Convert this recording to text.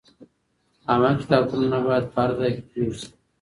عامه کتابتونونه بايد په هر ځای کي جوړ سي.